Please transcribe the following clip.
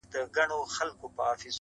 په دغسي شېبو كي عام اوخاص اړوي سـترگي~